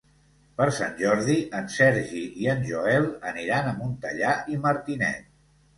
Per Sant Jordi en Sergi i en Joel aniran a Montellà i Martinet.